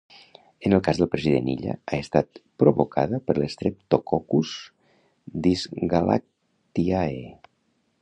En el cas del president Illa ha estat provocada per l'Streptococcus dysgalactiae